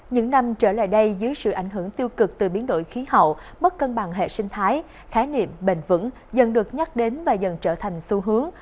những năm trở lại đây dưới sự ảnh hưởng tiêu cực từ biến đổi khí hậu mất cân bằng hệ sinh thái khái niệm bền vững dần được nhắc đến và dần trở thành xu hướng